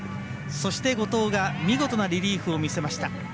そして、後藤が見事なリリーフを見せました。